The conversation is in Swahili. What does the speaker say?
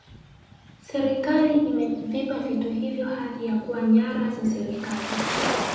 serikali imevipa vitu hivyo hadhi ya kuwa nyara za serikali